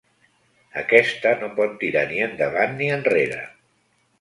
Aquesta no pot tirar ni endavant ni enrere.